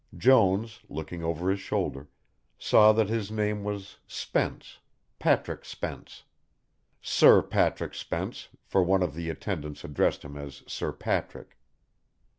Jones, looking over his shoulder, saw that his name was Spence, Patrick Spence. Sir Patrick Spence, for one of the attendants addressed him as Sir Patrick.